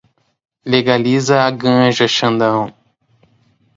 Legaliza a ganja, Xandão